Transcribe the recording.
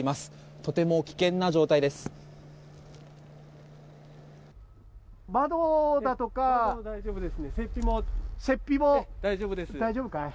とても危険な状態です。